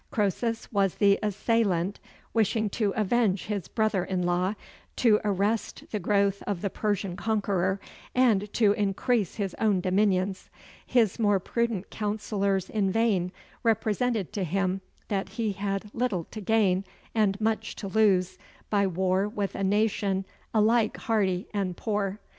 Croesus was the assailant, wishing to avenge his brother in law, to arrest the growth of the Persian conqueror, and to increase his own dominions. His more prudent counsellors in vain represented to him that he had little to gain, and much to lose, by war with a nation alike hardy and poor.